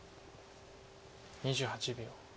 ２８秒。